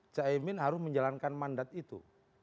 cak imin harus menjalankan mandat itu